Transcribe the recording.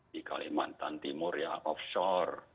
di kalimantan timur ya offshore